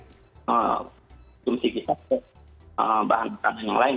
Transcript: dan konsumsi kita ke bahan makanan yang lain